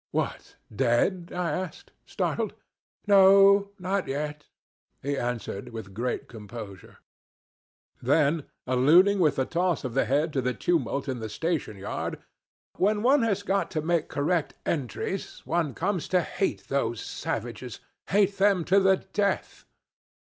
'What! Dead?' I asked, startled. 'No, not yet,' he answered, with great composure. Then, alluding with a toss of the head to the tumult in the station yard, 'When one has got to make correct entries, one comes to hate those savages hate them to the death.'